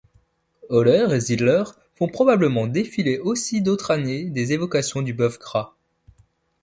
Oller et Zidler font probablement défiler aussi d'autres années des évocations du Bœuf Gras.